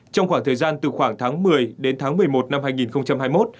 trong khoảng thời gian từ khoảng tháng một mươi đến tháng một mươi một năm hai nghìn hai mươi một